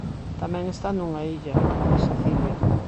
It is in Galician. Tamén está nunha illa: a de Sicilia.